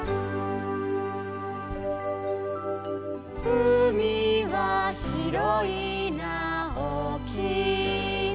「うみはひろいなおおきいな」